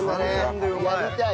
やりたい。